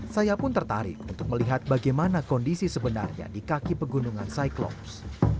saya pun tertarik untuk melihat bagaimana kondisi sebenarnya di kaki pegunungan cyclops